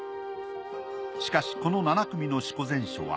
しかしこの７組の『四庫全書』は